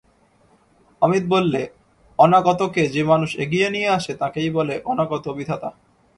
অমিত বললে, অনাগতকে যে মানুষ এগিয়ে নিয়ে আসে তাকেই বলে অনাগত-বিধাতা।